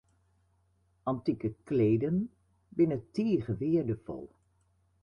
Antike kleden binne tige weardefol.